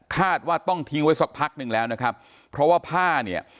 ว่าต้องทิ้งไว้สักพักหนึ่งแล้วนะครับเพราะว่าผ้าเนี่ย